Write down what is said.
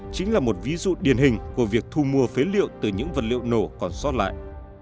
chính là một ví dụ điển hình của việc thu mua phế liệu từ những vật liệu nổ còn sót lại